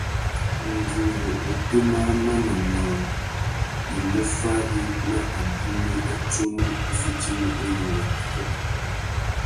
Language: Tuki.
Nguru râ otémá râ manônōh i mú fári nà abimî râ tsumu i fitimú unônōh nà ikôkô.